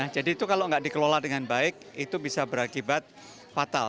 jadi itu kalau tidak dikelola dengan baik itu bisa berakibat fatal